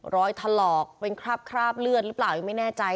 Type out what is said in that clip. ถลอกเป็นคราบเลือดหรือเปล่ายังไม่แน่ใจ